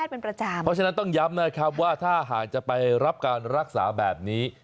เพราะฉะนั้นต้องย้ำนะครับว่าถ้าหากจะไปรับการรักษาแบบนี้